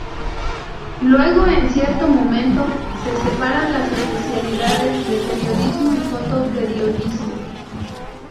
Luego, en cierto momento, se separan las especialidades de periodismo y foto periodismo.